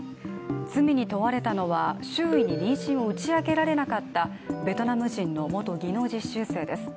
罪に問われたのは、周囲に妊娠を打ち明けられなかったベトナム人の元技能実習生です。